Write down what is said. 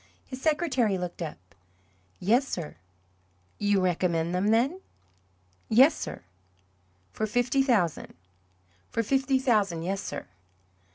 His secretary looked up. "Yes, sir." "You recommend them then?" "Yes, sir." "For fifty thousand?" "For fifty thousand yes, sir."